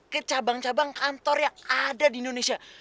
ke cabang cabang kantor yang ada di indonesia